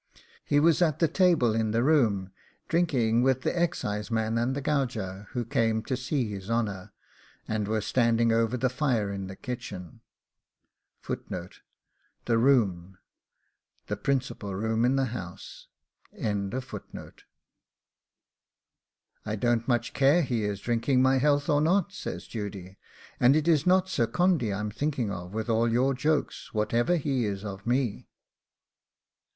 He was at the table in the room, drinking with the excise man and the gauger, who came up to see his honour, and we were standing over the fire in the kitchen. THE ROOM the principal room in the house. 'I don't much care is he drinking my health or not,' says Judy; 'and it is not Sir Condy I'm thinking of, with all your jokes, whatever he is of me.